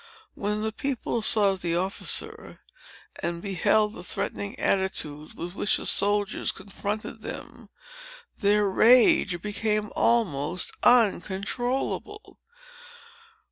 "When the people saw the officer, and beheld the threatening attitude with which the soldiers fronted them, their rage became almost uncontrollable.